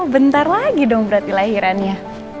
bentar lagi dong berarti lahirannya